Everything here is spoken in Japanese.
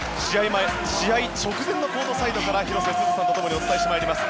試合直前のコートサイドから広瀬すずさんと共にお伝えします。